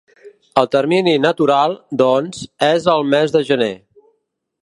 El termini ‘natural’, doncs, és el mes de gener.